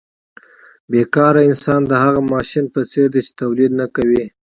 بې کاره انسان د هغه ماشین په څېر دی چې تولید نه کوي